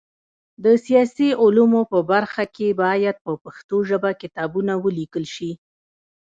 د سیاسي علومو په برخه کي باید په پښتو ژبه کتابونه ولیکل سي.